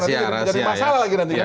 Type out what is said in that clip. nanti jadi masalah lagi nanti